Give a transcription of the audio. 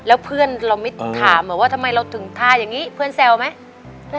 แล้วเพื่อนเราไม่ถามว่าทำไมเราถึงทาอย่างนี้เพื่อนแซวไหม